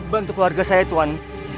bantu keluarga saya tuan